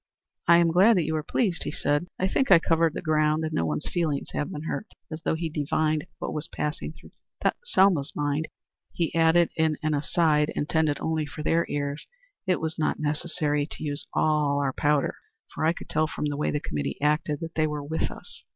"I am glad that you were pleased," he said. "I think I covered the ground, and no one's feelings have been hurt." As though he divined what was passing through Selma's mind, he added in an aside intended only for their ears, "It was not necessary to use all our powder, for I could tell from the way the committee acted that they were with us."